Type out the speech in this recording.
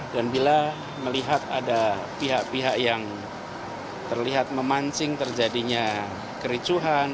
dan bila melihat ada pihak pihak yang terlihat memancing terjadinya kericuhan